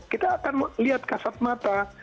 kita akan lihat kasat mata